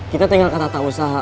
kita tinggal ke tata usaha